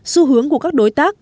xu hướng của các đối tác